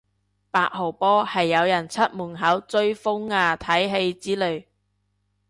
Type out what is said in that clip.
八號波係有人出門口追風啊睇戲之類